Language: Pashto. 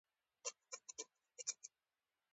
منځني ځواکونه د باور د ساتلو لپاره هڅه کوي.